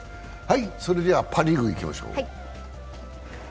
それではパ・リーグにいきましょう。